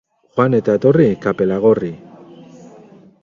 Joan eta etorri kapela gorri.